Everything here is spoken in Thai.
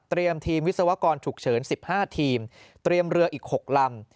ทีมวิศวกรฉุกเฉิน๑๕ทีมเตรียมเรืออีก๖ลำ